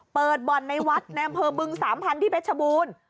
เปิดบ่อนในวัดแนมเพอบึงสามพันที่เป็ดชบูรณ์